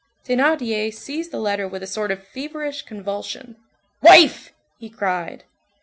Thénardier seized the letter with a sort of feverish convulsion. "Wife!" he cried.